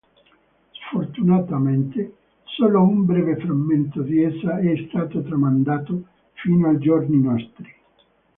Sfortunatamente solo un breve frammento di essa è stato tramandato fino ai giorni nostri.